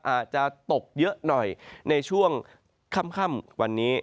อาจจะตกเยอะหน่อยในช่วงค่ำวันนี้